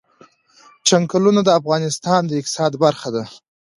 چنګلونه د افغانستان د اقتصاد برخه ده.